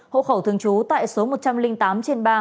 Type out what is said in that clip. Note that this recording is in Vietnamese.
hộ khẩu thường trú tại số một trăm linh tám trên ba